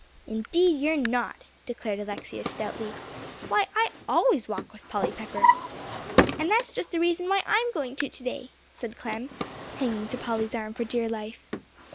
"Indeed, you're not," declared Alexia stoutly. "Why, I always walk with Polly Pepper." "And that's just the reason why I'm going to to day," said Clem, hanging to Polly's arm for dear life.